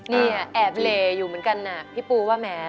นี่แอบเหลอยู่เหมือนกันนะพี่ปูว่าแหม